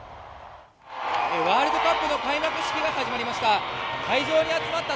ワールドカップの開幕式が始まりました。